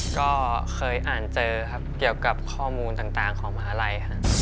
ก็เคยอ่านเจอครับเกี่ยวกับข้อมูลต่างของมหาลัยครับ